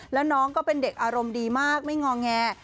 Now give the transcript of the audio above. แล้วน้องก็เป็นเด็กอารมณ์ดีมากไม่งอแง